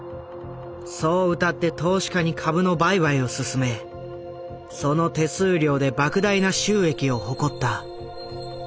そううたって投資家に株の売買を勧めその手数料で莫大な収益を誇った。